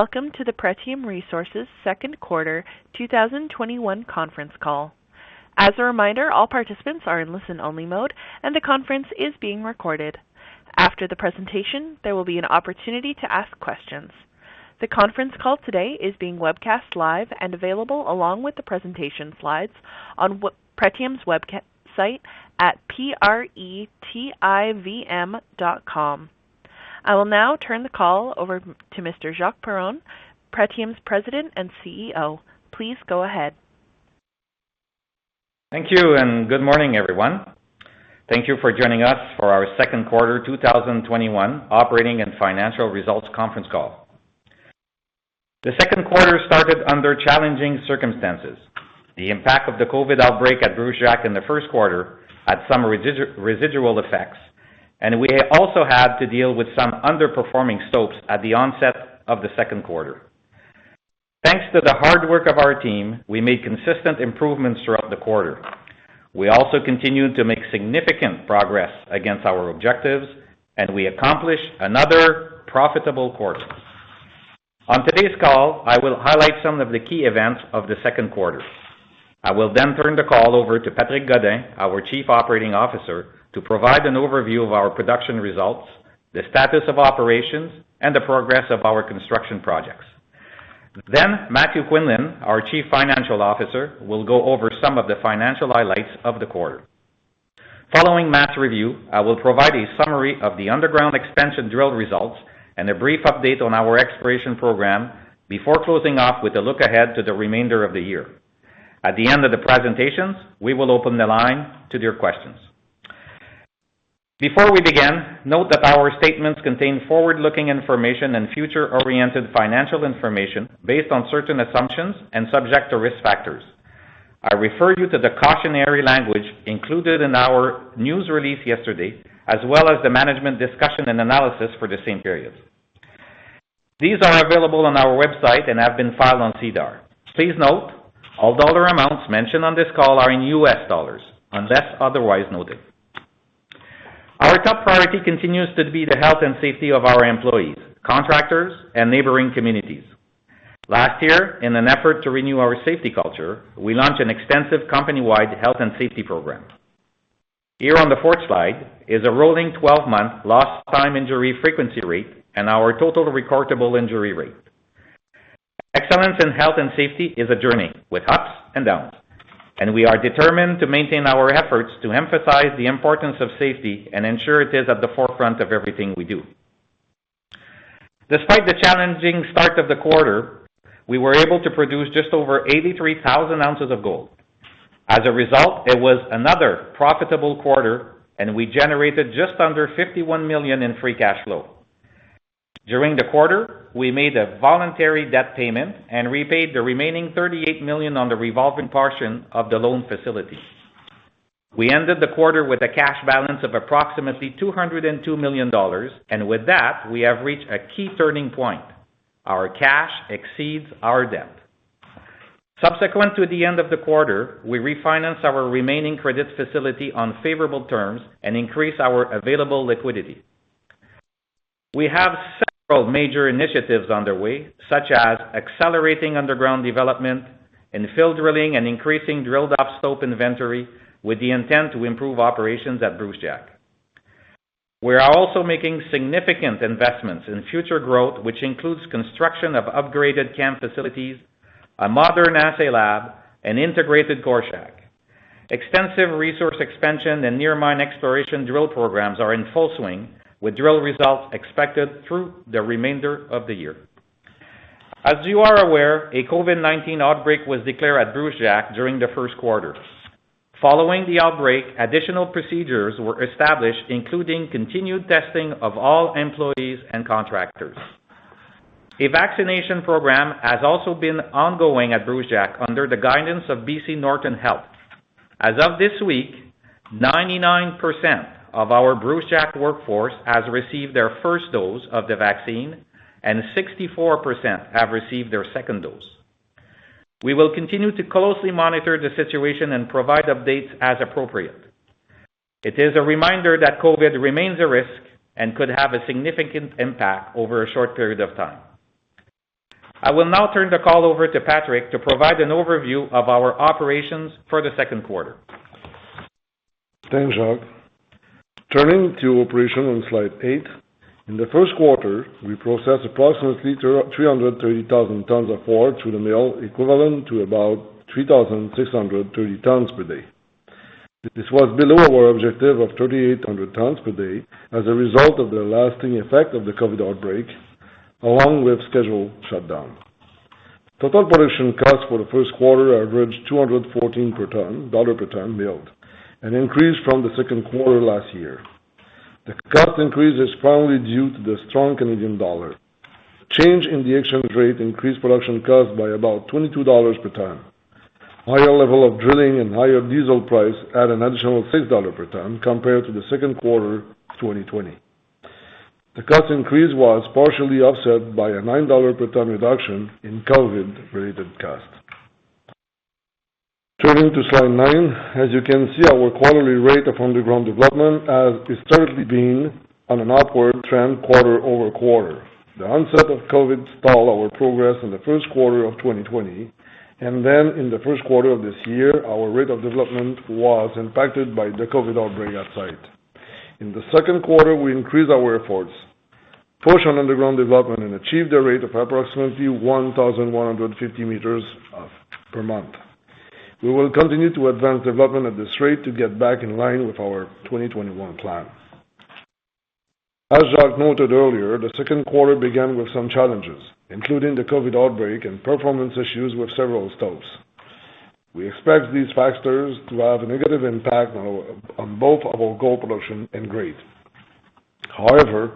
Welcome to the Pretium Resources second quarter 2021 conference call. As a reminder, all participants are in listen-only mode, and the conference is being recorded. After the presentation, there will be an opportunity to ask questions. The conference call today is being webcast live and available along with the presentation slides on Pretium's website at pretivm.com. I will now turn the call over to Mr. Jacques Perron, Pretium's President and CEO. Please go ahead. Thank you, and good morning, everyone. Thank you for joining us for our second quarter 2021 operating and financial results conference call. The second quarter started under challenging circumstances. The impact of the COVID outbreak at Brucejack in the first quarter had some residual effects, and we also had to deal with some underperforming stopes at the onset of the second quarter. Thanks to the hard work of our team, we made consistent improvements throughout the quarter. We also continued to make significant progress against our objectives, and we accomplished another profitable quarter. On today's call, I will highlight some of the key events of the second quarter. I will then turn the call over to Patrick Godin, our Chief Operating Officer, to provide an overview of our production results, the status of operations, and the progress of our construction projects. Matthew Quinlan, our Chief Financial Officer, will go over some of the financial highlights of the quarter. Following Matt's review, I will provide a summary of the underground expansion drill results and a brief update on our exploration program before closing off with a look ahead to the remainder of the year. At the end of the presentations, we will open the line to your questions. Before we begin, note that our statements contain forward-looking information and future-oriented financial information based on certain assumptions and subject to risk factors. I refer you to the cautionary language included in our news release yesterday, as well as the management discussion and analysis for the same period. These are available on our website and have been filed on SEDAR. Please note, all dollar amounts mentioned on this call are in U.S. dollars unless otherwise noted. Our top priority continues to be the health and safety of our employees, contractors, and neighboring communities. Last year, in an effort to renew our safety culture, we launched an extensive company-wide health and safety program. Here on the fourth slide is a rolling 12-month lost time injury frequency rate and our total recordable injury rate. Excellence in health and safety is a journey with ups and downs, and we are determined to maintain our efforts to emphasize the importance of safety and ensure it is at the forefront of everything we do. Despite the challenging start of the quarter, we were able to produce just over 83,000 oz of gold. As a result, it was another profitable quarter, and we generated just under $51 million in free cash flow. During the quarter, we made a voluntary debt payment and repaid the remaining $38 million on the revolving portion of the loan facility. We ended the quarter with a cash balance of approximately $202 million, and with that, we have reached a key turning point. Our cash exceeds our debt. Subsequent to the end of the quarter, we refinanced our remaining credit facility on favorable terms and increased our available liquidity. We have several major initiatives underway, such as accelerating underground development and infill drilling and increasing drilled-up stope inventory with the intent to improve operations at Brucejack. We are also making significant investments in future growth, which includes construction of upgraded camp facilities, a modern assay lab, an integrated core shack. Extensive resource expansion and near mine exploration drill programs are in full swing, with drill results expected through the remainder of the year. As you are aware, a COVID-19 outbreak was declared at Brucejack during the first quarter. Following the outbreak, additional procedures were established, including continued testing of all employees and contractors. A vaccination program has also been ongoing at Brucejack under the guidance of BC Northern Health. As of this week, 99% of our Brucejack workforce has received their first dose of the vaccine and 64% have received their second dose. We will continue to closely monitor the situation and provide updates as appropriate. It is a reminder that COVID remains a risk and could have a significant impact over a short period of time. I will now turn the call over to Patrick to provide an overview of our operations for the second quarter. Thanks, Jacques. Turning to operation on slide eight. In the first quarter, we processed approximately 330,000 tonnes of ore through the mill, equivalent to about 3,630 tonnes per day. This was below our objective of 3,800 tonnes per day as a result of the lasting effect of the COVID outbreak, along with scheduled shutdown. Total production costs for the first quarter averaged $214 per tonne milled, an increase from the second quarter last year. The cost increase is primarily due to the strong Canadian dollar. Change in the exchange rate increased production cost by about $22 per tonne. Higher level of drilling and higher diesel price add an additional $6 per tonne compared to the second quarter of 2020. The cost increase was partially offset by a $9 per tonne reduction in COVID-related cost. Turning to slide 9. As you can see, our quarterly rate of underground development has historically been on an upward trend quarter-over-quarter. The onset of COVID stalled our progress in the first quarter of 2020, and then in the first quarter of this year, our rate of development was impacted by the COVID outbreak at site. In the second quarter, we increased our efforts, pushed on underground development, and achieved a rate of approximately 1,150 m per month. We will continue to advance development at this rate to get back in line with our 2021 plan. As Jacques noted earlier, the second quarter began with some challenges, including the COVID outbreak and performance issues with several stopes. We expect these factors to have a negative impact on both our gold production and grade. However,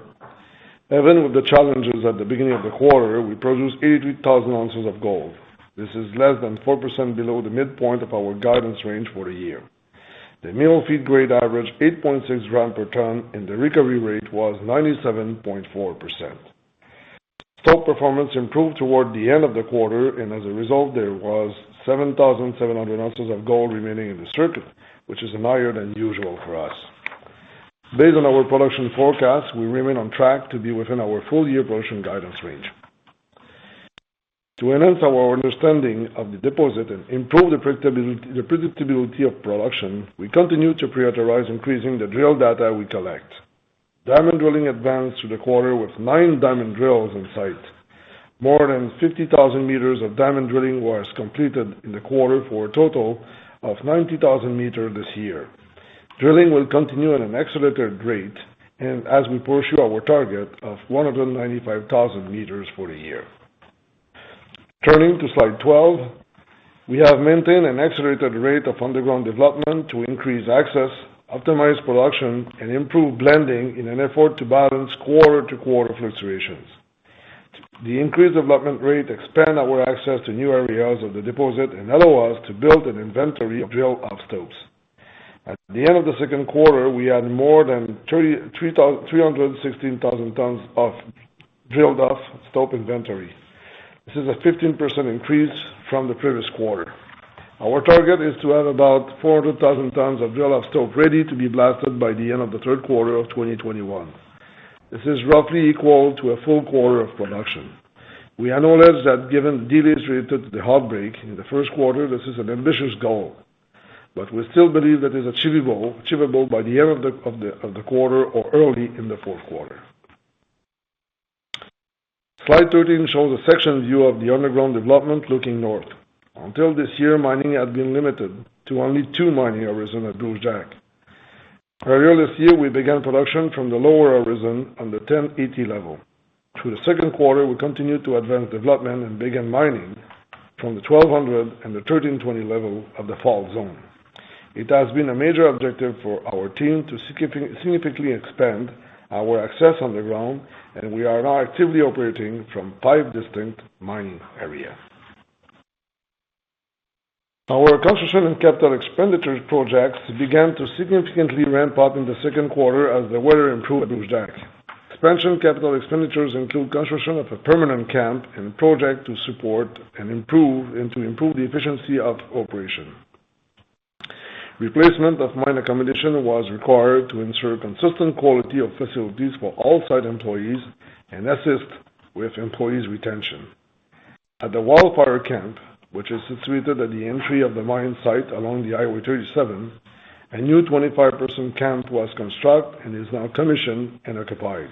even with the challenges at the beginning of the quarter, we produced 83,000 oz of gold. This is less than 4% below the midpoint of our guidance range for the year. The mill feed grade average 8.6 g/t, and the recovery rate was 97.4%. Stope performance improved toward the end of the quarter, and as a result, there was 7,700 oz of gold remaining in the circuit, which is higher than usual for us. Based on our production forecast, we remain on track to be within our full-year production guidance range. To enhance our understanding of the deposit and improve the predictability of production, we continue to prioritize increasing the drill data we collect. Diamond drilling advanced through the quarter with nine diamond drills on site. More than 50,000 m of diamond drilling was completed in the quarter for a total of 90,000 m this year. Drilling will continue at an accelerated rate, as we pursue our target of 195,000 m for the year. Turning to slide 12. We have maintained an accelerated rate of underground development to increase access, optimize production, and improve blending in an effort to balance quarter-to-quarter fluctuations. The increased development rate expand our access to new areas of the deposit and allow us to build an inventory of drilled off stopes. At the end of the second quarter, we had more than 316,000 tonnes of drilled off stope inventory. This is a 15% increase from the previous quarter. Our target is to have about 400,000 tonnes of drilled off stope ready to be blasted by the end of the third quarter of 2021. This is roughly equal to a full quarter of production. We acknowledge that given the delays related to the outbreak in the first quarter, this is an ambitious goal, we still believe that is achievable by the end of the quarter or early in the fourth quarter. Slide 13 shows a section view of the underground development looking north. Until this year, mining had been limited to only two mining horizons at Brucejack. Earlier this year, we began production from the lower horizon on the 1080 level. Through the second quarter, we continued to advance development and began mining from the 1200 and the 1320 level of the fault zone. It has been a major objective for our team to significantly expand our access underground, we are now actively operating from five distinct mining areas. Our construction and capital expenditure projects began to significantly ramp up in the second quarter as the weather improved at Brucejack. Expansion capital expenditures include construction of a permanent camp and project to support and to improve the efficiency of operation. Replacement of mine accommodation was required to ensure consistent quality of facilities for all site employees and assist with employees' retention. At the Wildfire Camp, which is situated at the entry of the mine site along the Highway 37, a new 25-person camp was constructed and is now commissioned and occupied.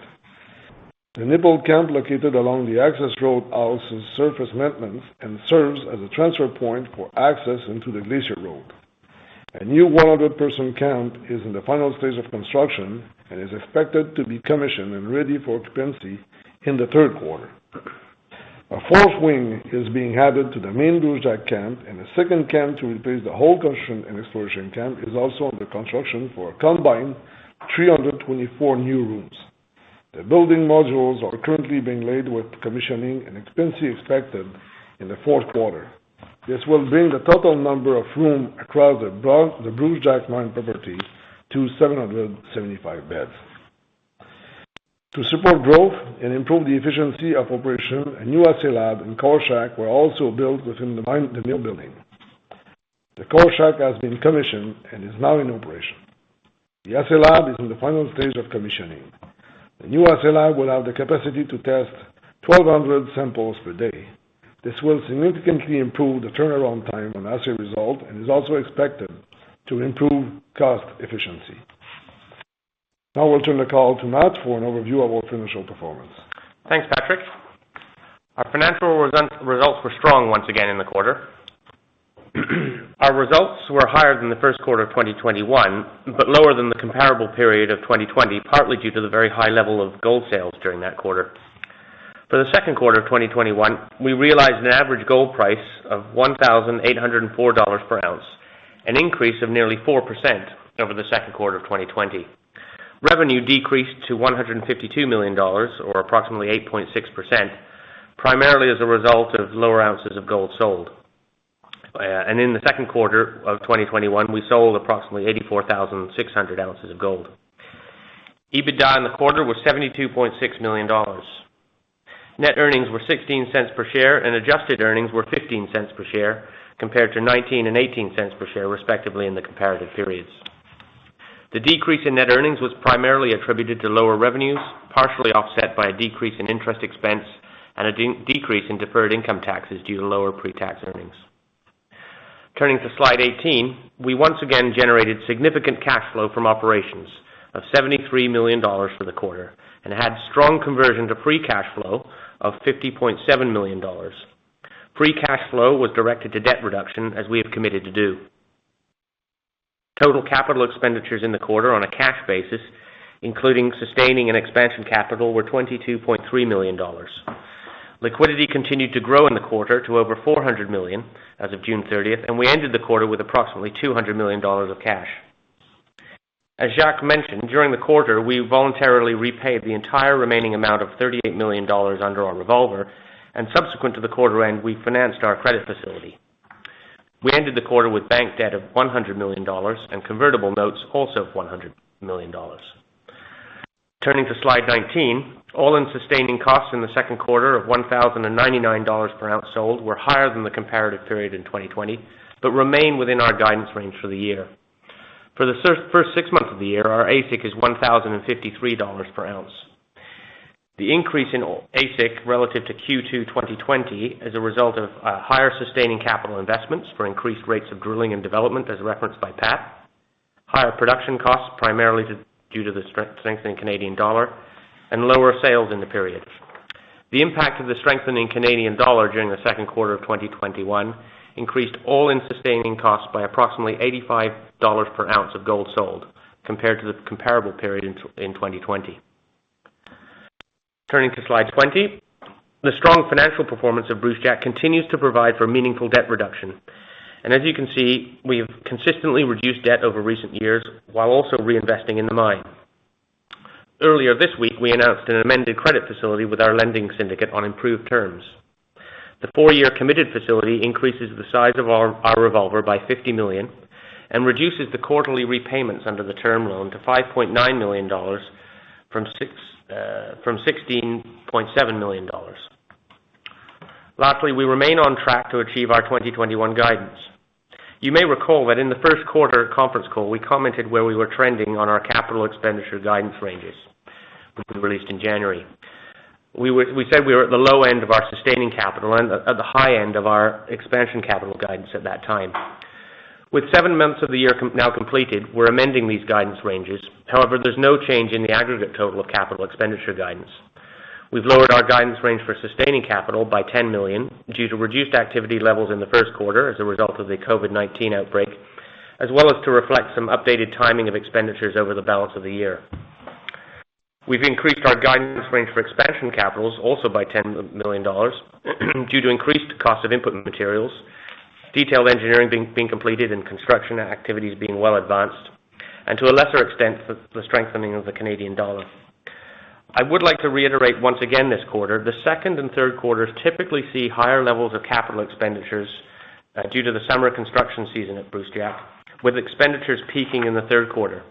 The Knipple Camp located along the access road houses surface maintenance and serves as a transfer point for access into the Glacier Road. A new 100-person camp is in the final stage of construction and is expected to be commissioned and ready for occupancy in the third quarter. A fourth wing is being added to the main Brucejack camp. A second camp to replace the old construction and exploration camp is also under construction for a combined 324 new rooms. The building modules are currently being laid with commissioning and occupancy expected in the fourth quarter. This will bring the total number of rooms across the Brucejack Mine property to 775 beds. To support growth and improve the efficiency of operation, a new assay lab and core shack were also built within the new building. The core shack has been commissioned and is now in operation. The assay lab is in the final stage of commissioning. The new assay lab will have the capacity to test 1,200 samples per day. This will significantly improve the turnaround time on assay results and is also expected to improve cost efficiency. Now I'll turn the call to Matt for an overview of our financial performance. Thanks, Patrick. Our financial results were strong once again in the quarter. Our results were higher than the first quarter of 2021, but lower than the comparable period of 2020, partly due to the very high level of gold sales during that quarter. For the second quarter of 2021, we realized an average gold price of $1,804/oz, an increase of nearly 4% over the second quarter of 2020. Revenue decreased to $152 million, or approximately 8.6%, primarily as a result of lower ounces of gold sold. In the second quarter of 2021, we sold approximately 84,600 oz of gold. EBITDA in the quarter was $72.6 million. Net earnings were $0.16 per share, and adjusted earnings were $0.15 per share, compared to $0.19 and $0.18 per share, respectively, in the comparative periods. The decrease in net earnings was primarily attributed to lower revenues, partially offset by a decrease in interest expense and a decrease in deferred income taxes due to lower pre-tax earnings. Turning to slide 18. We once again generated significant cash flow from operations of $73 million for the quarter and had strong conversion to free cash flow of $50.7 million. Free cash flow was directed to debt reduction, as we have committed to do. Total capital expenditures in the quarter on a cash basis, including sustaining and expansion capital, were $22.3 million. Liquidity continued to grow in the quarter to over $400 million as of June 30th, and we ended the quarter with approximately $200 million of cash. As Jacques mentioned, during the quarter, we voluntarily repaid the entire remaining amount of $38 million under our revolver. Subsequent to the quarter end, we financed our credit facility. We ended the quarter with bank debt of $100 million and convertible notes also of $100 million. Turning to slide 19. All-in sustaining costs in the second quarter of $1,099/oz sold were higher than the comparative period in 2020, but remain within our guidance range for the year. For the first six months of the year, our AISC is $1,053/oz. The increase in AISC relative to Q2 2020 is a result of higher sustaining capital investments for increased rates of drilling and development, as referenced by Pat, higher production costs, primarily due to the strengthening Canadian dollar, and lower sales in the period. The impact of the strengthening Canadian dollar during the second quarter of 2021 increased all-in sustaining costs by approximately $85/oz of gold sold compared to the comparable period in 2020. Turning to slide 20. The strong financial performance of Brucejack continues to provide for meaningful debt reduction. As you can see, we have consistently reduced debt over recent years while also reinvesting in the mine. Earlier this week, we announced an amended credit facility with our lending syndicate on improved terms. The four-year committed facility increases the size of our revolver by $50 million and reduces the quarterly repayments under the term loan to $5.9 million from $16.7 million. Lastly, we remain on track to achieve our 2021 guidance. You may recall that in the first quarter conference call, we commented where we were trending on our capital expenditure guidance ranges, which we released in January. We said we were at the low end of our sustaining capital and at the high end of our expansion capital guidance at that time. With seven months of the year now completed, we're amending these guidance ranges. However, there's no change in the aggregate total of capital expenditure guidance. We've lowered our guidance range for sustaining capital by $10 million due to reduced activity levels in the first quarter as a result of the COVID-19 outbreak, as well as to reflect some updated timing of expenditures over the balance of the year. We've increased our guidance range for expansion capitals also by $10 million due to increased cost of input materials, detailed engineering being completed and construction activities being well advanced, and to a lesser extent, the strengthening of the Canadian dollar. I would like to reiterate once again this quarter, the second and third quarters typically see higher levels of capital expenditures due to the summer construction season at Brucejack, with expenditures peaking in the third quarter.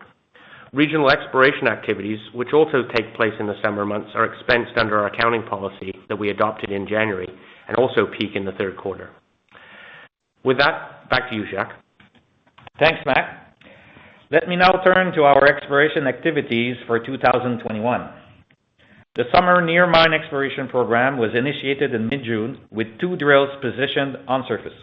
Regional exploration activities, which also take place in the summer months, are expensed under our accounting policy that we adopted in January and also peak in the third quarter. With that, back to you, Jacques. Thanks, Matt. Let me now turn to our exploration activities for 2021. The summer near mine exploration program was initiated in mid-June with two drills positioned on surface.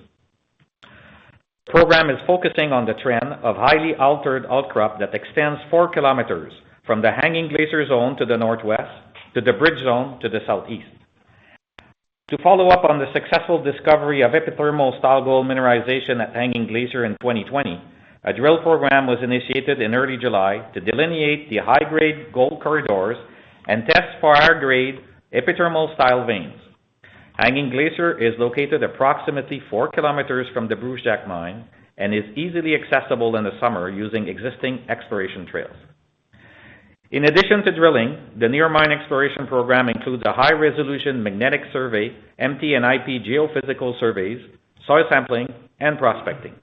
The program is focusing on the trend of highly altered outcrop that extends 4 km from the Hanging Glacier Zone to the northwest to the Bridge Zone to the southeast. To follow up on the successful discovery of epithermal style gold mineralization at Hanging Glacier in 2020, a drill program was initiated in early July to delineate the high-grade gold corridors and test for higher-grade epithermal style veins. Hanging Glacier is located approximately 4 km from the Brucejack Mine and is easily accessible in the summer using existing exploration trails. In addition to drilling, the near mine exploration program includes a high-resolution magnetic survey, MT and IP geophysical surveys, soil sampling, and prospecting.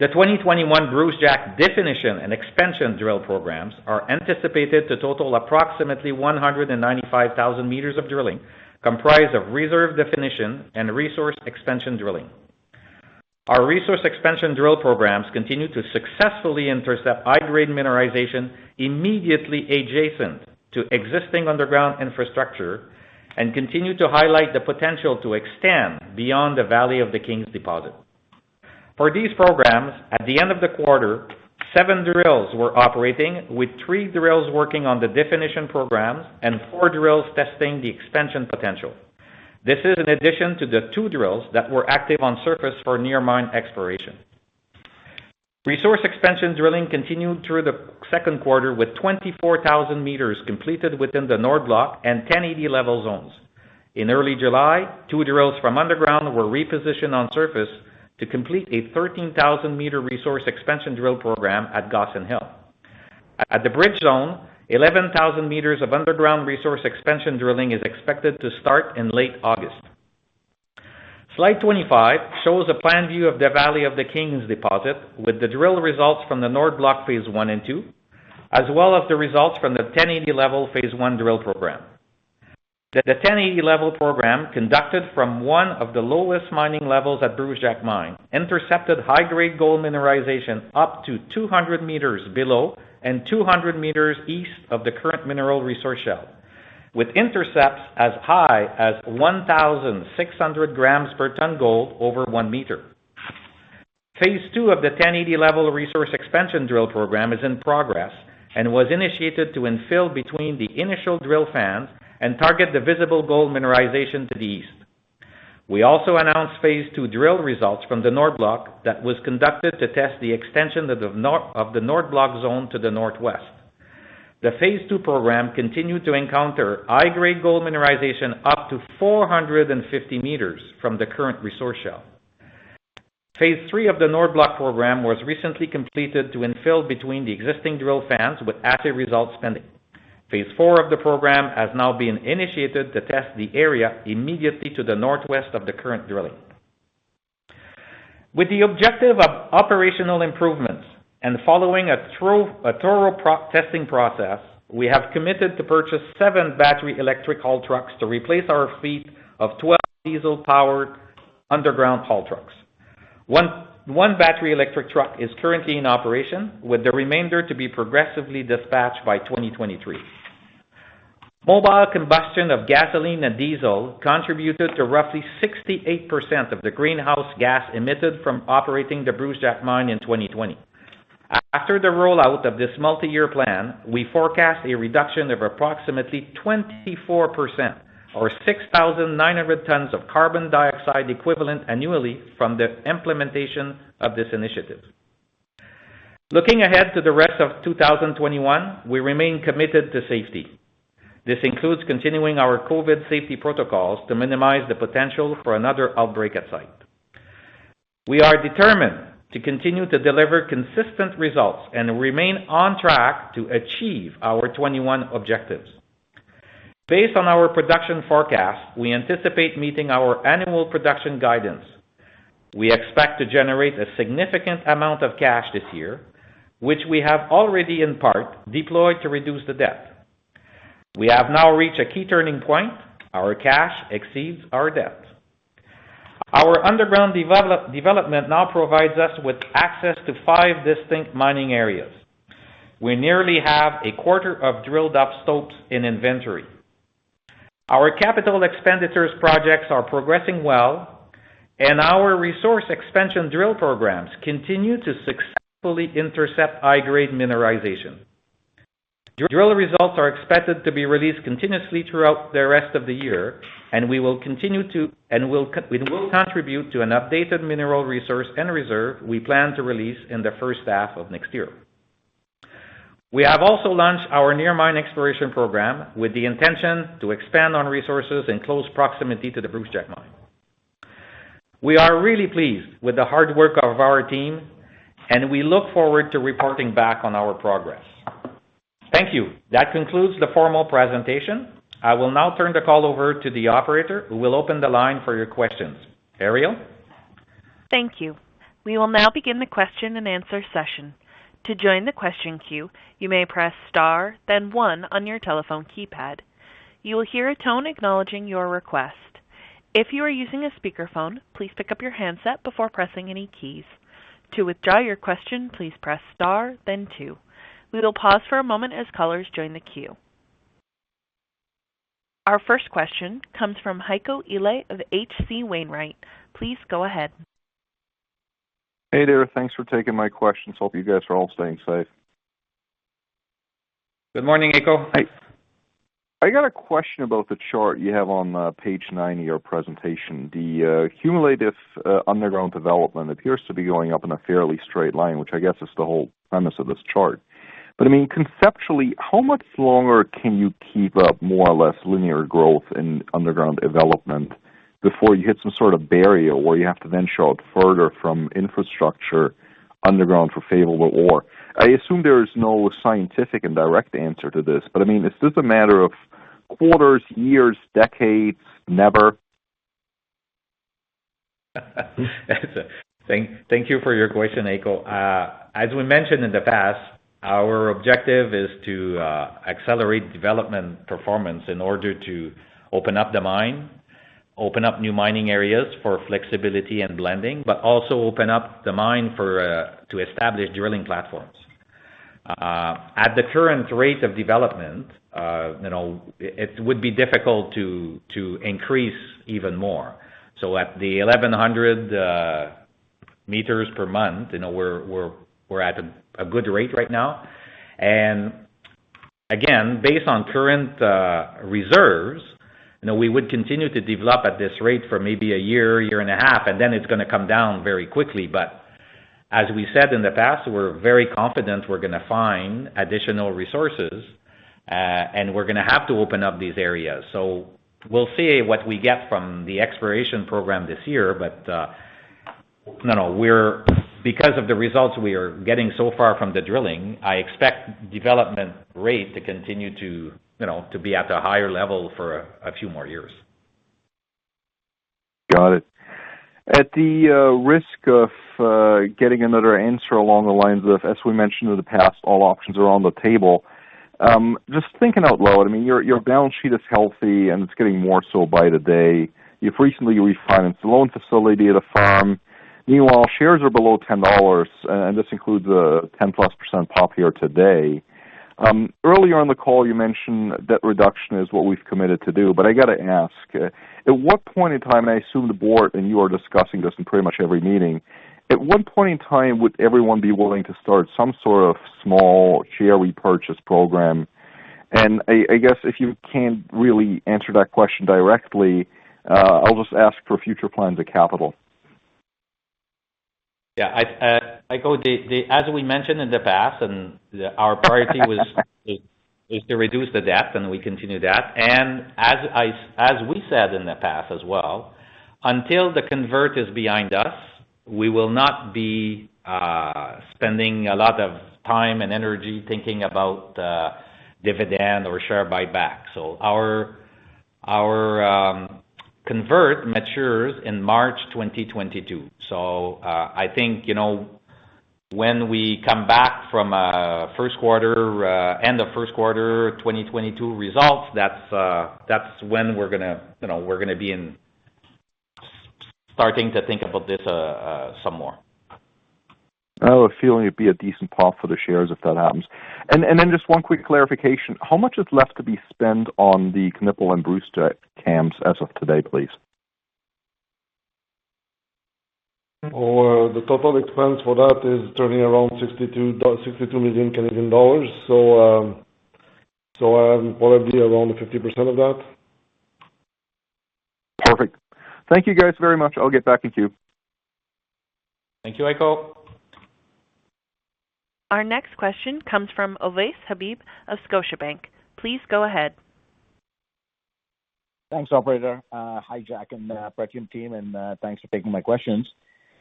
The 2021 Brucejack definition and expansion drill programs are anticipated to total approximately 195,000 m of drilling, comprised of reserve definition and resource expansion drilling. Our resource expansion drill programs continue to successfully intercept high-grade mineralization immediately adjacent to existing underground infrastructure and continue to highlight the potential to extend beyond the Valley of the Kings deposit. For these programs, at the end of the quarter, seven drills were operating, with three drills working on the definition programs and four drills testing the expansion potential. This is in addition to the two drills that were active on surface for near mine exploration. Resource expansion drilling continued through the second quarter with 24,000 m completed within the North Block and 1080 Level zones. In early July, two drills from underground were repositioned on surface to complete a 13,000 m resource expansion drill program at Gossan Hill. At the Bridge Zone, 11,000 m of underground resource expansion drilling is expected to start in late August. Slide 25 shows a plan view of the Valley of the Kings deposit with the drill results from the North Block Phase 1 and 2, as well as the results from the 1080 Level Phase 1 drill program. The 1080 Level program, conducted from one of the lowest mining levels at Brucejack Mine, intercepted high-grade gold mineralization up to 200 me below and 200 m east of the current mineral resource shell, with intercepts as high as 1,600 g/t gold over 1 m. Phase 2 of the 1080 Level resource expansion drill program is in progress and was initiated to infill between the initial drill fans and target the visible gold mineralization to the east. We also announced Phase 2 drill results from the North Block that was conducted to test the extension of the North Block zone to the northwest. The Phase 2 program continued to encounter high-grade gold mineralization up to 450 m from the current resource shell. Phase 3 of the North Block program was recently completed to infill between the existing drill fans with assay results pending. Phase 4 of the program has now been initiated to test the area immediately to the northwest of the current drilling. With the objective of operational improvements and following a thorough testing process, we have committed to purchase seven battery electric haul trucks to replace our fleet of 12 diesel-powered underground haul trucks. One battery electric truck is currently in operation, with the remainder to be progressively dispatched by 2023. Mobile combustion of gasoline and diesel contributed to roughly 68% of the greenhouse gas emitted from operating the Brucejack Mine in 2020. After the rollout of this multi-year plan, we forecast a reduction of approximately 24%, or 6,900 tonnes of carbon dioxide equivalent annually from the implementation of this initiative. Looking ahead to the rest of 2021, we remain committed to safety. This includes continuing our COVID-19 safety protocols to minimize the potential for another outbreak at site. We are determined to continue to deliver consistent results and remain on track to achieve our 2021 objectives. Based on our production forecast, we anticipate meeting our annual production guidance. We expect to generate a significant amount of cash this year, which we have already in part deployed to reduce the debt. We have now reached a key turning point. Our cash exceeds our debt. Our underground development now provides us with access to five distinct mining areas. We nearly have a quarter of drilled-up stopes in inventory. Our capital expenditures projects are progressing well, and our resource expansion drill programs continue to successfully intercept high-grade mineralization. Drill results are expected to be released continuously throughout the rest of the year, and will contribute to an updated mineral resource and reserve we plan to release in the first half of next year. We have also launched our near mine exploration program with the intention to expand on resources in close proximity to the Brucejack Mine. We are really pleased with the hard work of our team and we look forward to reporting back on our progress. Thank you. That concludes the formal presentation. I will now turn the call over to the operator, who will open the line for your questions. Ariel? Thank you. We will now begin the question and answer session. Our first question comes from Heiko Ihle of H.C. Wainwright. Please go ahead. Hey there. Thanks for taking my questions. Hope you guys are all staying safe. Good morning, Heiko. Hi. I got a question about the chart you have on page nine of your presentation. The cumulative underground development appears to be going up in a fairly straight line, which I guess is the whole premise of this chart. I mean, conceptually, how much longer can you keep up more or less linear growth in underground development before you hit some sort of barrier where you have to then show up further from infrastructure underground for favorable ore? I assume there is no scientific and direct answer to this, but I mean, is this a matter of quarters, years, decades, never? Thank you for your question, Heiko. As we mentioned in the past, our objective is to accelerate development performance in order to open up the mine, open up new mining areas for flexibility and blending, but also open up the mine to establish drilling platforms. At the current rate of development, it would be difficult to increase even more. At the 1,100 m per month, we're at a good rate right now. Again, based on current reserves, we would continue to develop at this rate for maybe a year and a half, and then it's going to come down very quickly. As we said in the past, we're very confident we're going to find additional resources, and we're going to have to open up these areas. We'll see what we get from the exploration program this year. Because of the results we are getting so far from the drilling, I expect development rate to continue to be at a higher level for a few more years. Got it. At the risk of getting another answer along the lines of, as we mentioned in the past, all options are on the table. Just thinking out loud, your balance sheet is healthy, and it's getting more so by the day. You've recently refinanced the loan facility at Pretium. Meanwhile, shares are below $10, and this includes a 10%+ pop here today. Earlier on the call you mentioned debt reduction is what we've committed to do, but I got to ask, at what point in time, I assume the board and you are discussing this in pretty much every meeting, at what point in time would everyone be willing to start some sort of small share repurchase program? I guess if you can't really answer that question directly, I'll just ask for future plans of capital. Yeah. Heiko, as we mentioned in the past, and our priority was to reduce the debt, and we continue that. As we said in the past as well, until the convert is behind us, we will not be spending a lot of time and energy thinking about dividend or share buyback. Our convert matures in March 2022. I think, when we come back from end of first quarter 2022 results, that's when we're going to be starting to think about this some more. I have a feeling it'd be a decent pop for the shares if that happens. Just one quick clarification. How much is left to be spent on the Knipple and Brucejack camps as of today, please? The total expense for that is turning around 62 million Canadian dollars. Probably around 50% of that. Perfect. Thank you guys very much. I'll get back in queue. Thank you, Heiko. Our next question comes from Ovais Habib of Scotiabank. Please go ahead. Thanks, operator. Hi, Jacques and Pretium team, and thanks for taking my questions.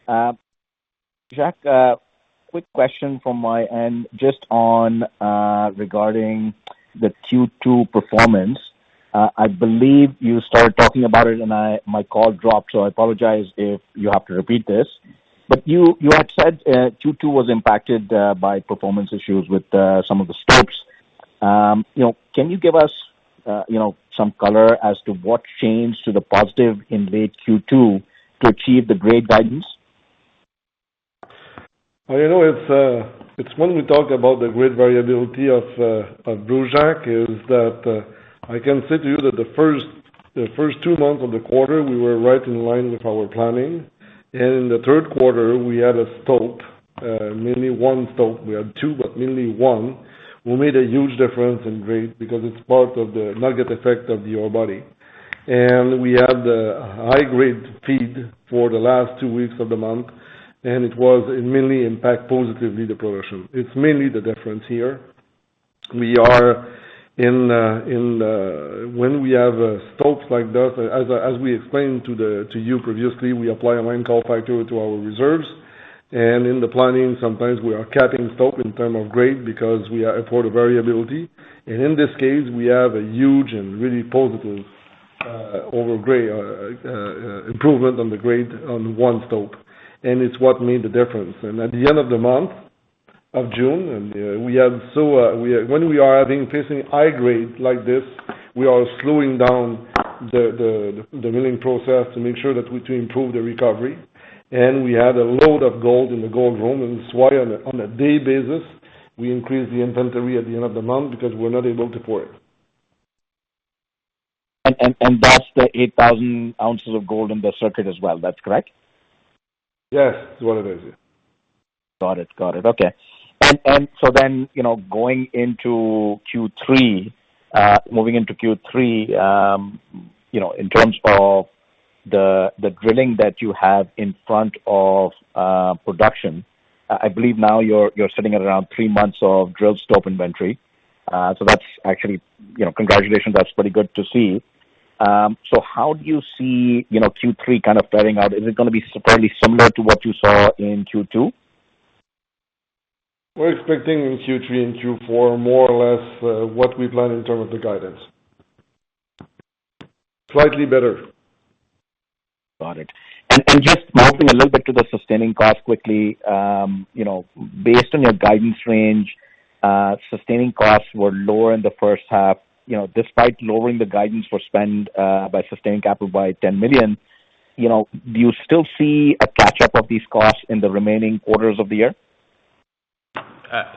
Jacques, quick question from my end just on regarding the Q2 performance. I believe you started talking about it, and my call dropped, so I apologize if you have to repeat this, but you had said Q2 was impacted by performance issues with some of the stopes. Can you give us some color as to what changed to the positive in late Q2 to achieve the grade guidance? When we talk about the grade variability of Brucejack, is that I can say to you that the first two months of the quarter, we were right in line with our planning. In the third quarter, we had a stope, mainly one stope. We had two, but mainly one, who made a huge difference in grade because it's part of the nugget effect of the ore body. We had a high-grade feed for the last two weeks of the month, and it mainly impact positively the production. It's mainly the difference here. When we have stopes like that, as we explained to you previously, we apply a mine call factor to our reserves, and in the planning, sometimes we are capping stope in term of grade because we are at part of variability. In this case, we have a huge and really positive improvement on the grade on one stope, and it's what made the difference. At the end of the month of June, when we are facing high grade like this, we are slowing down the milling process to make sure that we improve the recovery. We had a load of gold in the gold room, and this is why, on a day basis, we increase the inventory at the end of the month because we're not able to pour it. That's the 8,000 oz of gold in the circuit as well. That's correct? Yes. It's what it is, yes. Got it. Okay. Moving into Q3, in terms of the drilling that you have in front of production, I believe now you're sitting at around three months of drilled stope inventory. That's actually, congratulations, that's pretty good to see. How do you see Q3 kind of playing out? Is it going to be fairly similar to what you saw in Q2? We're expecting in Q3 and Q4 more or less what we planned in terms of the guidance. Slightly better. Got it. Just moving a little bit to the sustaining cost quickly. Based on your guidance range, sustaining costs were lower in the first half. Despite lowering the guidance for spend by sustaining capital by $10 million, do you still see a catch-up of these costs in the remaining quarters of the year?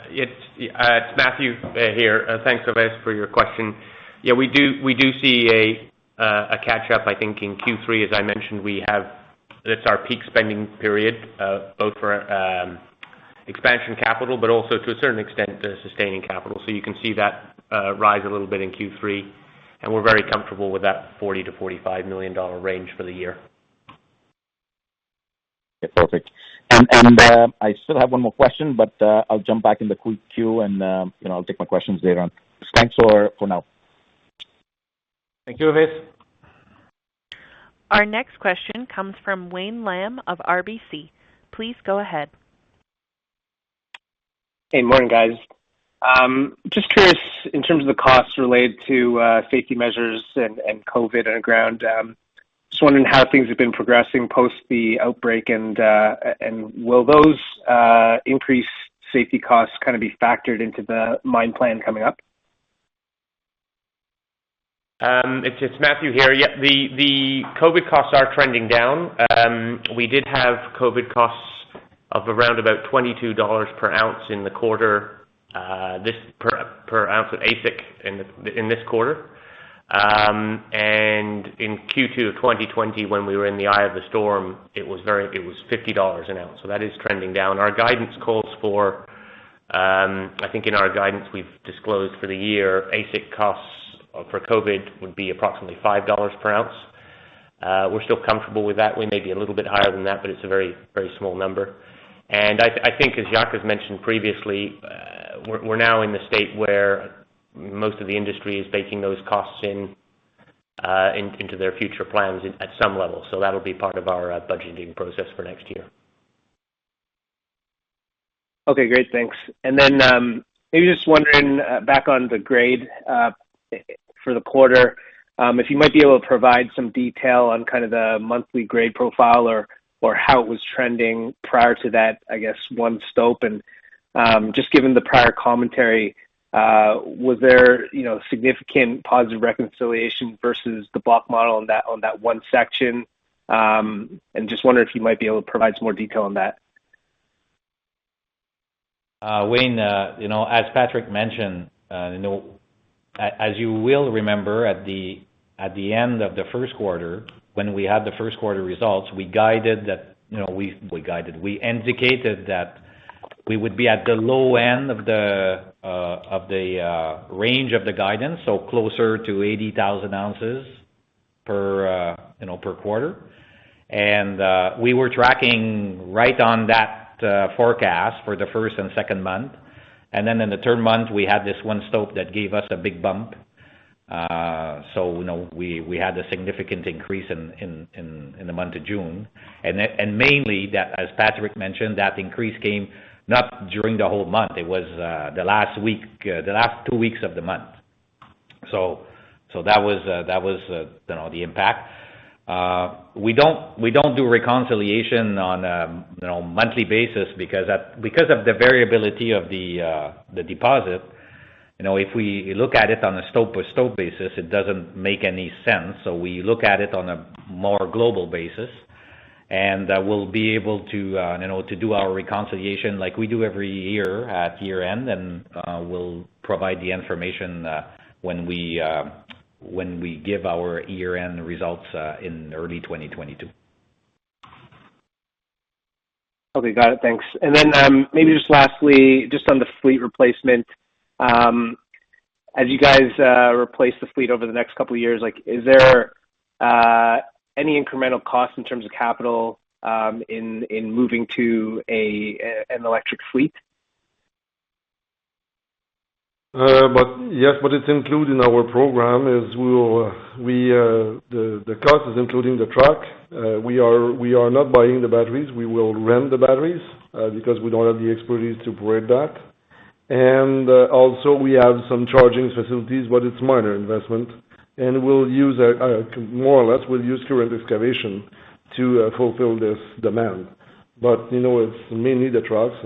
It's Matthew here. Thanks, Ovais, for your question. We do see a catch-up, I think, in Q3. As I mentioned, that's our peak spending period, both for expansion capital, but also, to a certain extent, sustaining capital. You can see that rise a little bit in Q3, and we're very comfortable with that $40 million-$45 million range for the year. Yeah. Perfect. I still have one more question, but I'll jump back in the queue and I'll take my questions later on. Thanks for now. Thank you, Ovais. Our next question comes from Wayne Lam of RBC. Please go ahead. Hey, morning, guys. Just curious in terms of the costs related to safety measures and COVID underground. Just wondering how things have been progressing post the outbreak and will those increased safety costs be factored into the mine plan coming up? It's Matthew here. Yeah, the COVID costs are trending down. We did have COVID costs of around about $22/oz in the quarter, per ounce of AISC in this quarter. In Q2 of 2020 when we were in the eye of the storm, it was $50 an ounce. That is trending down. I think in our guidance we've disclosed for the year, AISC costs for COVID would be approximately $5/oz. We're still comfortable with that. We may be a little bit higher than that, but it's a very small number. I think as Jacques has mentioned previously, we're now in the state where most of the industry is baking those costs into their future plans at some level. That'll be part of our budgeting process for next year. Okay, great. Thanks. Then maybe just wondering, back on the grade for the quarter, if you might be able to provide some detail on kind of the monthly grade profile or how it was trending prior to that, I guess, one stope. Just given the prior commentary, was there significant positive reconciliation versus the block model on that one section? Just wonder if you might be able to provide some more detail on that. Wayne, as Patrick mentioned, as you will remember at the end of the first quarter, when we had the first quarter results, we indicated that we would be at the low end of the range of the guidance, so closer to 80,000 oz per quarter. We were tracking right on that forecast for the first and second month. Then in the third month, we had this one stope that gave us a big bump. We had a significant increase in the month of June. Mainly, as Patrick mentioned, that increase came not during the whole month. It was the last two weeks of the month. That was the impact. We don't do reconciliation on a monthly basis because of the variability of the deposit. If we look at it on a stope per stope basis, it doesn't make any sense. We look at it on a more global basis, and we'll be able to do our reconciliation like we do every year at year-end, and we'll provide the information when we give our year-end results in early 2022. Okay. Got it. Thanks. Maybe just lastly, just on the fleet replacement. As you guys replace the fleet over the next couple of years, is there any incremental cost in terms of capital in moving to an electric fleet? Yes, it's included in our program. The cost is including the truck. We are not buying the batteries. We will rent the batteries because we don't have the expertise to operate that. Also we have some charging facilities, it's minor investment. More or less, we'll use current excavation to fulfill this demand. It's mainly the trucks,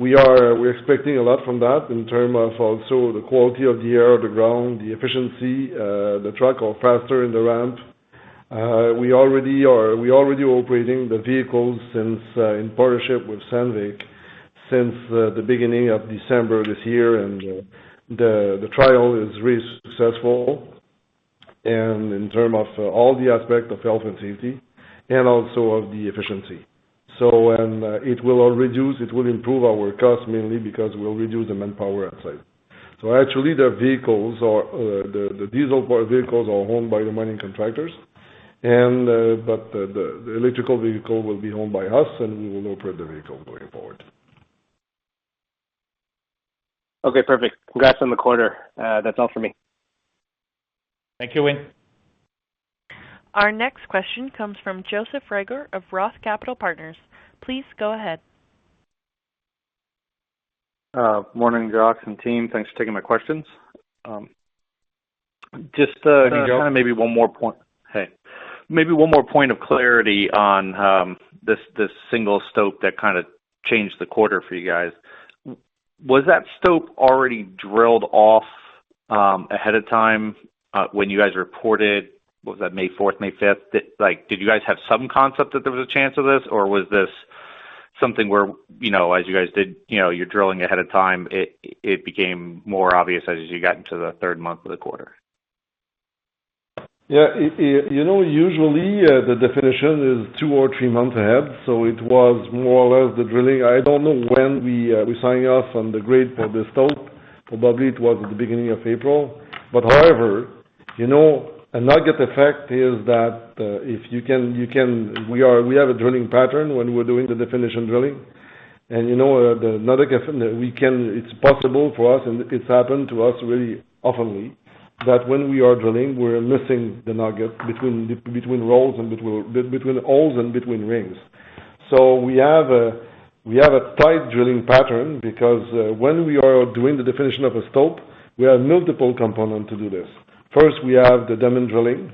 we're expecting a lot from that in terms of also the quality of the air, the ground, the efficiency, the truck go faster in the ramp. We already operating the vehicles in partnership with Sandvik since the beginning of December this year, the trial is really successful in terms of all the aspect of health and safety and also of the efficiency. It will improve our cost mainly because we'll reduce the manpower outside. Actually, the diesel vehicles are owned by the mining contractors. The electrical vehicle will be owned by us, and we will operate the vehicle going forward. Okay, perfect. Congrats on the quarter. That's all for me. Thank you, Wayne. Our next question comes from Joseph Reagor of Roth Capital Partners. Please go ahead. Morning, Jacques and team. Thanks for taking my questions. Hey, Joe. Maybe one more point of clarity on this single stope that kind of changed the quarter for you guys. Was that stope already drilled off ahead of time when you guys reported, was that May 4th, May 5th? Did you guys have some concept that there was a chance of this, or was this something where, as you guys did your drilling ahead of time, it became more obvious as you got into the third month of the quarter? Yeah, usually, the definition is two or three months ahead. It was more or less the drilling. I don't know when we sign off on the grade for the stope. Probably it was at the beginning of April. However, a nugget effect is that we have a drilling pattern when we're doing the definition drilling. The nugget, it's possible for us, and it's happened to us really oftenly, that when we are drilling, we're missing the nugget between holes and between rings. We have a tight drilling pattern because when we are doing the definition of a stope, we have multiple component to do this. First, we have the diamond drilling.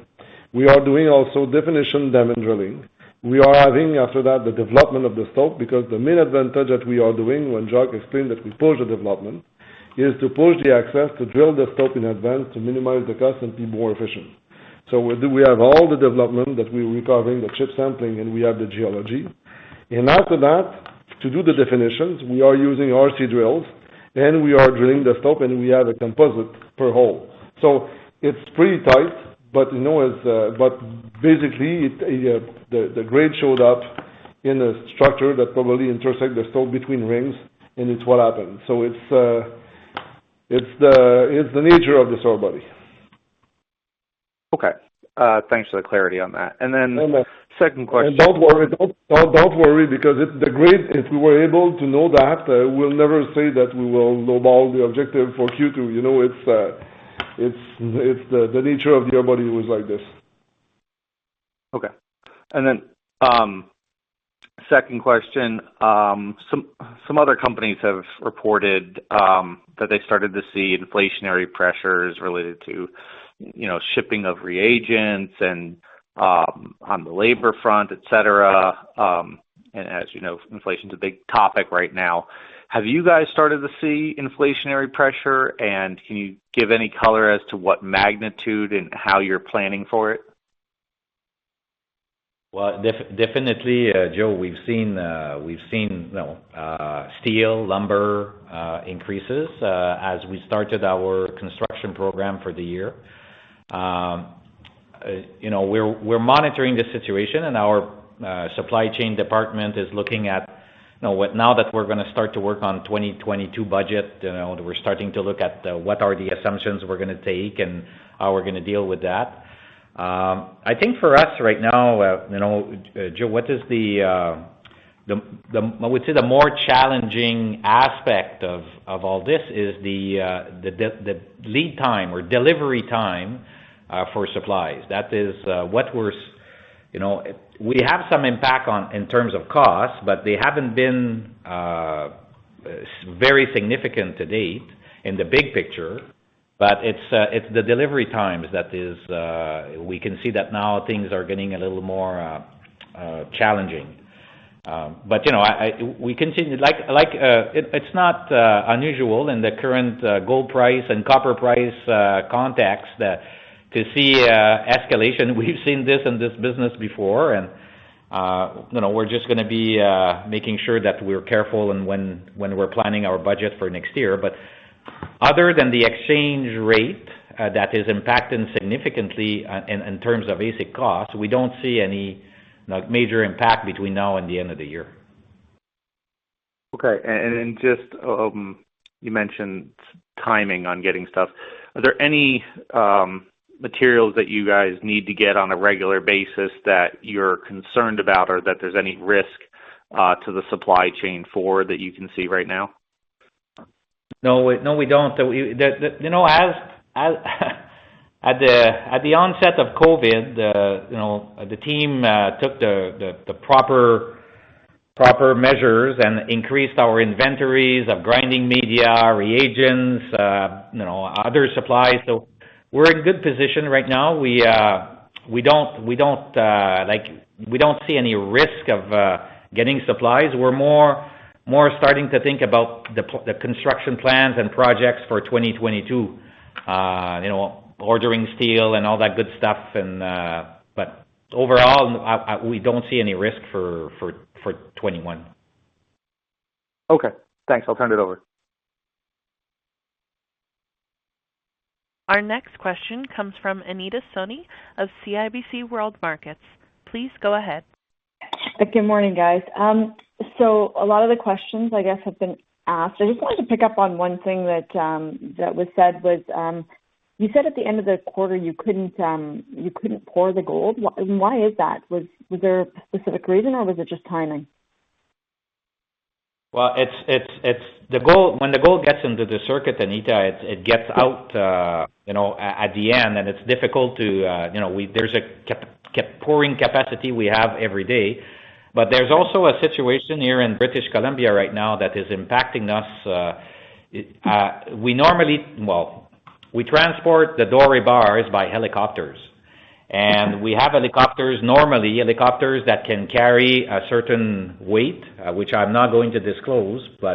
We are doing also definition diamond drilling. We are adding after that, the development of the stope, because the main advantage that we are doing when Jacques explained that we push the development, is to push the access to drill the stope in advance to minimize the cost and be more efficient. We have all the development that we're recovering, the chip sampling, and we have the geology. After that, to do the definitions, we are using RC drills, and we are drilling the stope, and we have a composite per hole. It's pretty tight, but basically, the grade showed up in a structure that probably intersect the stope between rings, and it's what happened. It's the nature of this ore body. Okay. Thanks for the clarity on that. No, no. Second question. Don't worry, because if the grade, if we were able to know that, we'll never say that we will low-ball the objective for Q2. It's the nature of the ore body was like this. Okay. Second question, some other companies have reported that they've started to see inflationary pressures related to shipping of reagents and on the labor front, et cetera. As you know, inflation's a big topic right now. Have you guys started to see inflationary pressure? Can you give any color as to what magnitude and how you're planning for it? Well, definitely, Joe, we've seen steel, lumber increases as we started our construction program for the year. We're monitoring the situation and our supply chain department is looking at, now that we're going to start to work on 2022 budget, we're starting to look at what are the assumptions we're going to take and how we're going to deal with that. I think for us right now, Joe, I would say the more challenging aspect of all this is the lead time or delivery time for supplies. We have some impact in terms of cost, but they haven't been very significant to date in the big picture. It's the delivery times that we can see that now things are getting a little more challenging. It's not unusual in the current gold price and copper price context to see escalation. We've seen this in this business before and we're just going to be making sure that we're careful when we're planning our budget for next year. Other than the exchange rate that is impacting significantly in terms of basic costs, we don't see any major impact between now and the end of the year. Okay. You mentioned timing on getting stuff. Are there any materials that you guys need to get on a regular basis that you're concerned about, or that there's any risk to the supply chain for, that you can see right now? No, we don't. At the onset of COVID, the team took the proper measures and increased our inventories of grinding media, reagents, other supplies. We're in a good position right now. We don't see any risk of getting supplies. We're more starting to think about the construction plans and projects for 2022. Ordering steel and all that good stuff. Overall, we don't see any risk for 2021. Okay, thanks. I'll turn it over. Our next question comes from Anita Soni of CIBC World Markets. Please go ahead. Good morning, guys. A lot of the questions I guess have been asked. I just wanted to pick up on one thing that was said was, you said at the end of the quarter, you couldn't pour the gold. Why is that? Was there a specific reason, or was it just timing? Well, when the gold gets into the circuit, Anita, it gets out at the end. There's a pouring capacity we have every day. There's also a situation here in British Columbia right now that is impacting us. We transport the doré bars by helicopters, and we have helicopters, normally helicopters that can carry a certain weight, which I'm not going to disclose. Sure.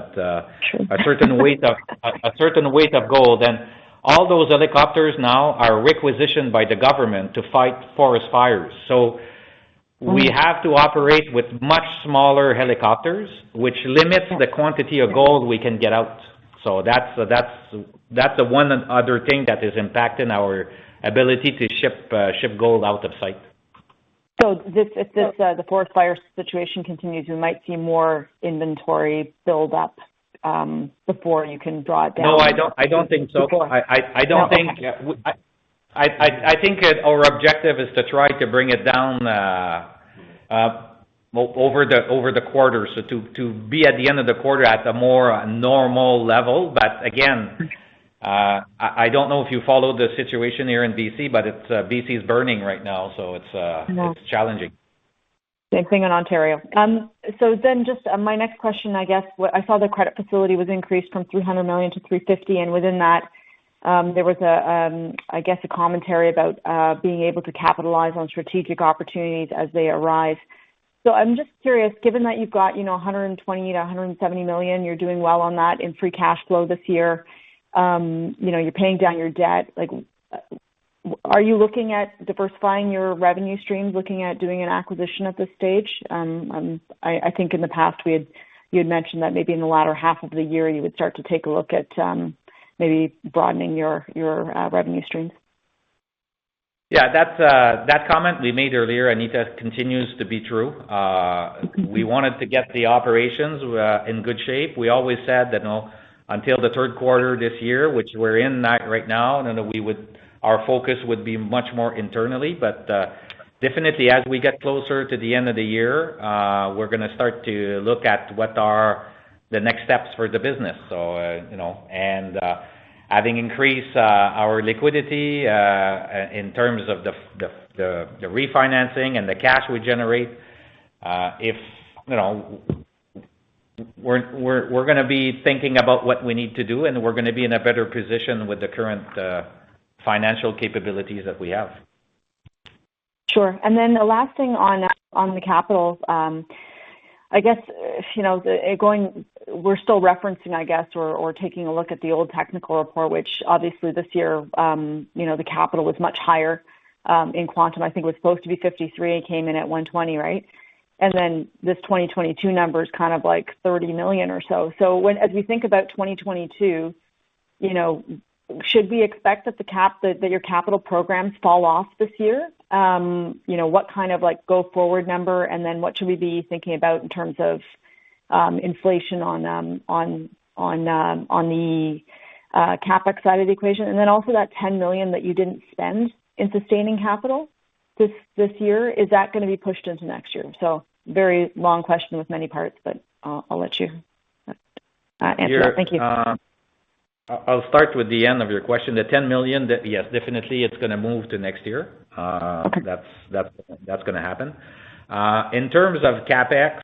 A certain weight of gold. All those helicopters now are requisitioned by the government to fight forest fires. We have to operate with much smaller helicopters, which limits the quantity of gold we can get out. That's the one other thing that is impacting our ability to ship gold out of site. If the forest fire situation continues, we might see more inventory build up before you can draw it down. No, I don't think so. Before. I think that our objective is to try to bring it down over the quarter, to be at the end of the quarter at a more normal level. Again, I don't know if you followed the situation here in B.C., but B.C. is burning right now. It's challenging. Same thing in Ontario. My next question, I guess, I saw the credit facility was increased from $300 million to $350 million, and within that, there was, I guess, a commentary about being able to capitalize on strategic opportunities as they arise. I'm just curious, given that you've got $120 million-$170 million, you're doing well on that in free cash flow this year. You're paying down your debt. Are you looking at diversifying your revenue streams, looking at doing an acquisition at this stage? I think in the past you had mentioned that maybe in the latter half of the year, you would start to take a look at maybe broadening your revenue streams. Yeah, that comment we made earlier, Anita, continues to be true. We wanted to get the operations in good shape. We always said that until the third quarter this year, which we are in right now, our focus would be much more internally. Definitely as we get closer to the end of the year, we are going to start to look at what are the next steps for the business. Having increased our liquidity, in terms of the refinancing and the cash we generate, we are going to be thinking about what we need to do, and we are going to be in a better position with the current financial capabilities that we have. Sure. The last thing on the capital, I guess, we're still referencing, I guess, or taking a look at the old technical report, which obviously this year, the capital was much higher, in quantum. I think it was supposed to be $53 million, it came in at $120 million, right? This 2022 number's kind of like $30 million or so. As we think about 2022, should we expect that your capital programs fall off this year? What kind of go forward number, what should we be thinking about in terms of inflation on the CapEx side of the equation? Also that $10 million that you didn't spend in sustaining capital this year, is that going to be pushed into next year? Very long question with many parts, but I'll let you answer that. Thank you. I'll start with the end of your question. The $10 million, yes, definitely it's going to move to next year. Okay. That's going to happen. In terms of CapEx,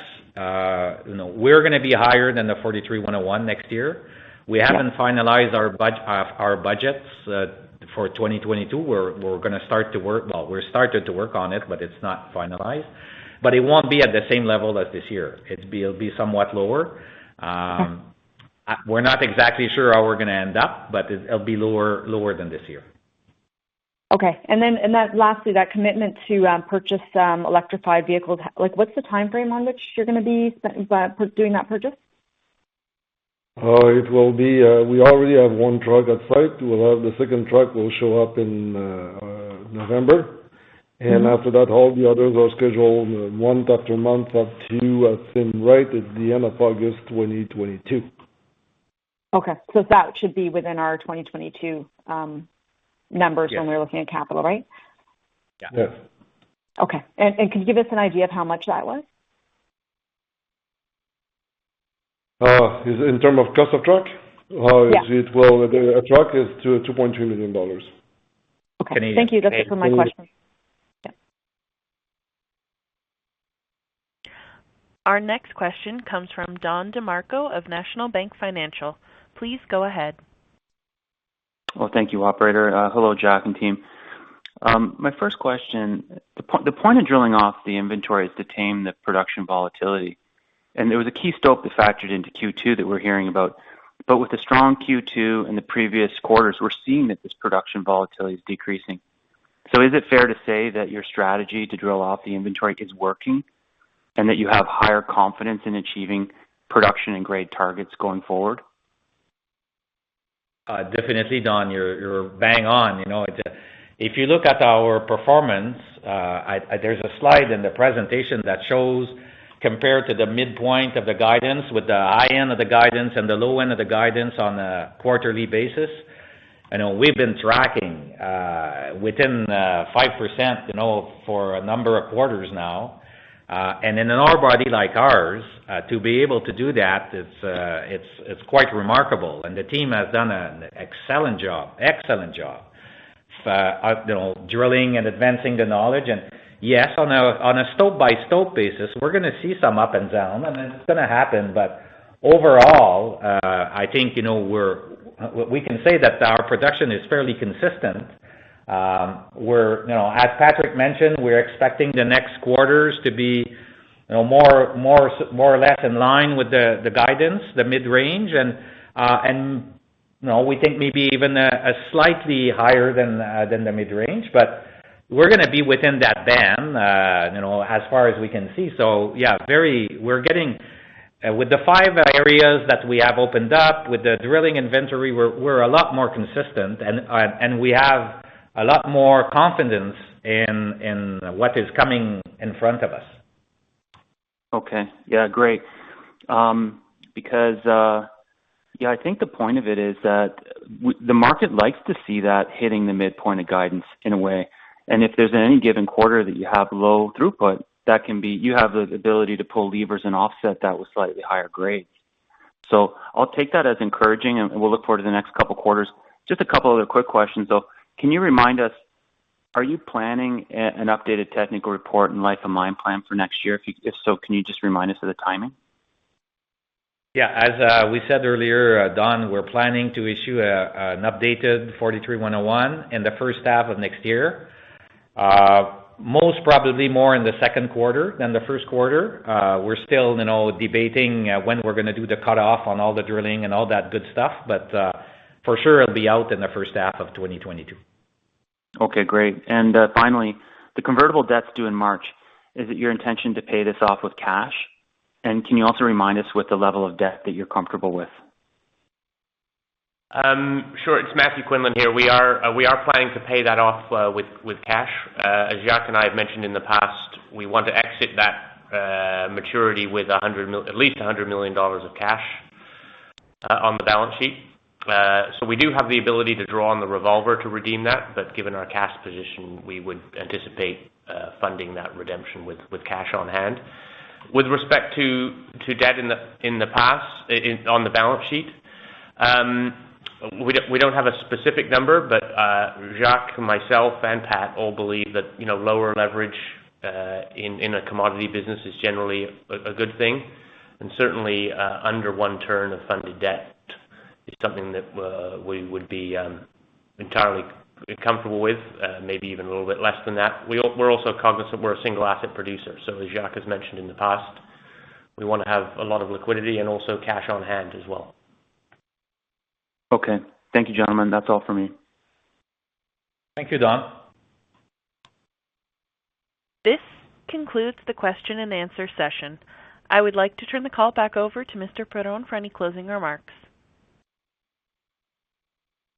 we're going to be higher than the 43-101 next year. We haven't finalized our budgets for 2022, we're going to start to work, well, we started to work on it, but it's not finalized. It won't be at the same level as this year. It'll be somewhat lower. Okay. We're not exactly sure how we're going to end up, but it'll be lower than this year. Okay. Lastly, that commitment to purchase electrified vehicles, what's the timeframe on which you're going to be doing that purchase? We already have one truck at site. We'll have the second truck will show up in November. After that, all the others are scheduled month after month up to, I think, right at the end of August 2022. Okay. That should be within our 2022 numbers. Yes. When we're looking at capital, right? Yes. Okay. Could you give us an idea of how much that was? In terms of cost of truck? Yeah. A truck is $2.2 million. Okay. Thank you. That's it for my questions. Our next question comes from Don DeMarco of National Bank Financial. Please go ahead. Well, thank you, operator. Hello, Jacques and team. My first question, the point of drilling off the inventory is to tame the production volatility. There was a key stope that factored into Q2 that we're hearing about. With the strong Q2 and the previous quarters, we're seeing that this production volatility is decreasing. Is it fair to say that your strategy to drill off the inventory is working, and that you have higher confidence in achieving production and grade targets going forward? Definitely, Don, you're bang on. If you look at our performance, there's a slide in the presentation that shows compared to the midpoint of the guidance with the high end of the guidance and the low end of the guidance on a quarterly basis. We've been tracking within 5% for a number of quarters now. In an ore body like ours, to be able to do that, it's quite remarkable. The team has done an excellent job. Drilling and advancing the knowledge and, yes, on a stope-by-stope basis, we're going to see some up and down, and it's going to happen. Overall, I think, we can say that our production is fairly consistent. As Patrick mentioned, we're expecting the next quarters to be more or less in line with the guidance, the mid-range, and we think maybe even a slightly higher than the mid-range. We're going to be within that band, as far as we can see. Yeah, with the five areas that we have opened up, with the drilling inventory, we're a lot more consistent, and we have a lot more confidence in what is coming in front of us. I think the point of it is that the market likes to see that hitting the midpoint of guidance in a way. If there's any given quarter that you have low throughput, you have the ability to pull levers and offset that with slightly higher grades. I'll take that as encouraging, and we'll look forward to the next couple quarters. Just a couple other quick questions, though. Can you remind us, are you planning an updated technical report and life of mine plan for next year? If so, can you just remind us of the timing? Yeah. As we said earlier, Don, we're planning to issue an updated 43-101 in the first half of next year. Most probably more in the second quarter than the first quarter. We're still debating when we're going to do the cutoff on all the drilling and all that good stuff. For sure, it'll be out in the first half of 2022. Finally, the convertible debt's due in March. Is it your intention to pay this off with cash? Can you also remind us what the level of debt that you're comfortable with? Sure. It's Matthew Quinlan here. We are planning to pay that off with cash. As Jacques and I have mentioned in the past, we want to exit that maturity with at least $100 million of cash on the balance sheet. We do have the ability to draw on the revolver to redeem that, but given our cash position, we would anticipate funding that redemption with cash on hand. With respect to debt in the past on the balance sheet, we don't have a specific number, but Jacques, myself, and Pat all believe that lower leverage in a commodity business is generally a good thing, and certainly under one turn of funded debt is something that we would be entirely comfortable with, maybe even a little bit less than that. We're also cognizant we're a single asset producer. As Jacques has mentioned in the past, we want to have a lot of liquidity and also cash on hand as well. Okay. Thank you, gentlemen. That's all for me. Thank you, Don. This concludes the question and answer session. I would like to turn the call back over to Mr. Perron for any closing remarks.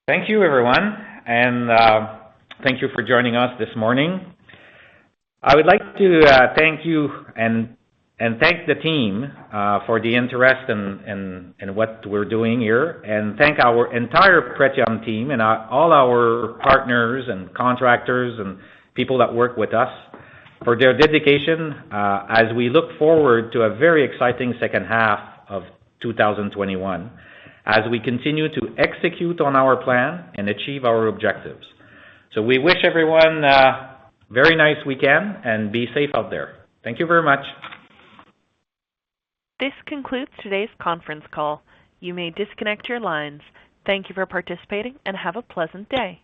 Thank you, everyone, and thank you for joining us this morning. I would like to thank you and thank the team for the interest in what we're doing here, and thank our entire Pretium team and all our partners and contractors and people that work with us for their dedication as we look forward to a very exciting second half of 2021 as we continue to execute on our plan and achieve our objectives. We wish everyone a very nice weekend, and be safe out there. Thank you very much. This concludes today's conference call. You may disconnect your lines. Thank you for participating, and have a pleasant day.